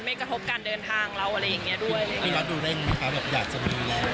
ไม่กระทบการเดินทางเราอะไรอย่างนี้ด้วย